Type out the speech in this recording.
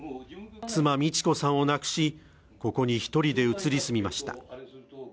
妻、路子さんを亡くし、ここに１人で移り住みました。